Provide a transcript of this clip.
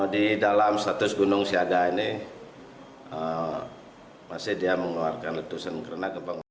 di dalam status gunung siaga ini masih dia mengeluarkan letusan